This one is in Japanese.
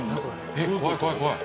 えっ怖い怖い怖い！